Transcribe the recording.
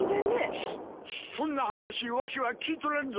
そそんな話わしは聞いとらんぞ。